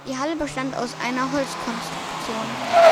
Die Halle bestand aus einer Holzkonstruktion.